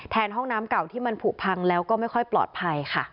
ห้องน้ำเก่าที่มันผูกพังแล้วก็ไม่ค่อยปลอดภัยค่ะ